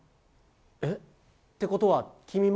え、ってことは君も？